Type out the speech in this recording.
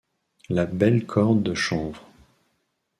La belle corde de chanvre !